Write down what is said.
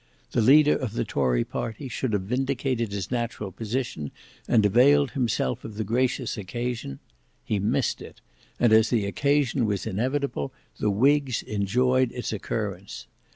The leader of the tory party should have vindicated his natural position, and availed himself of the gracious occasion: he missed it; and as the occasion was inevitable, the whigs enjoyed its occurrence.